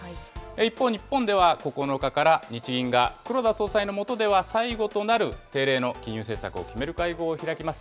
一方、日本では、９日から、日銀が黒田総裁の下では最後となる定例の金融政策を決める会合を開きます。